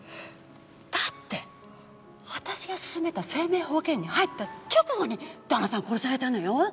だって私が勧めた生命保険に入った直後に旦那さん殺されたのよ。